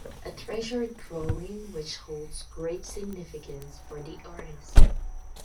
A treasured drawing which holds great significance for the artist.